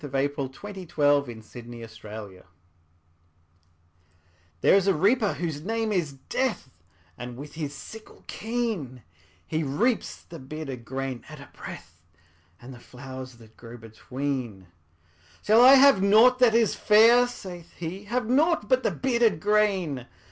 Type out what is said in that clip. Henry Wadsworth Longfellow The Reaper And The Flowers THERE is a Reaper whose name is Death, And, with his sickle keen, He reaps the bearded grain at a breath, And the flowers that grow between. ``Shall I have nought that is fair?'' saith he; ``Have nought but the bearded grain?